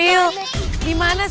iemand lagi takut our case